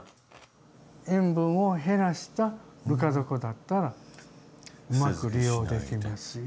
塩分を減らしたぬか床だったらうまく利用できますよと。